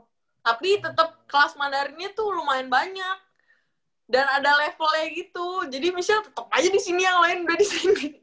tapi tetep kelas mandarinnya tuh lumayan banyak dan ada levelnya gitu jadi misalnya tetep aja disini yang lain udah disini